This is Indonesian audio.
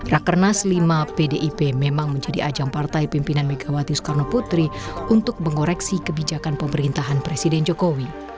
rakernas lima pdip memang menjadi ajang partai pimpinan megawati soekarno putri untuk mengoreksi kebijakan pemerintahan presiden jokowi